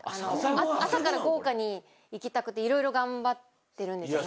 朝から豪華にいきたくていろいろ頑張ってるんですよね。